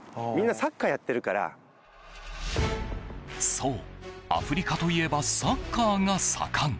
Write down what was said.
そう、アフリカといえばサッカーが盛ん。